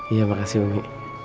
iya makasih umi